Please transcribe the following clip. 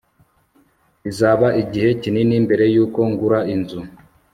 bizaba igihe kinini mbere yuko ngura inzu